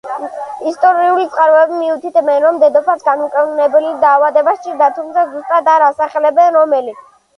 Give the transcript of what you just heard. ისტორიული წყაროები მიუთითებენ, რომ დედოფალს განუკურნებელი დაავადება სჭირდა, თუმცა ზუსტად არ ასახელებენ რომელი.